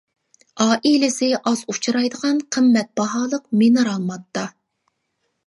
ئائىلىسى ئاز ئۇچرايدىغان قىممەت باھالىق مىنېرال ماددا.